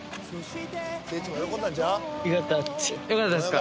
よかったですか？